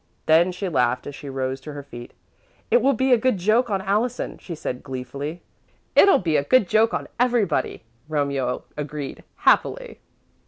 Then she laughed as she rose to her feet. "It will be a good joke on Allison," she said, gleefully. "It'll be a good joke on everybody," Romeo agreed, happily.